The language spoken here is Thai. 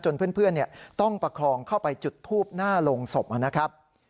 เพื่อนต้องประคองเข้าไปจุดทูบหน้าโรงศพนะครับ